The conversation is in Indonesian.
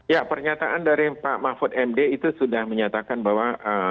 ya pernyataan dari pak mahfud md itu sudah menyatakan bahwa